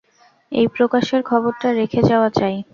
এই প্রকাশের খবরটা রেখে যাওয়া চাই।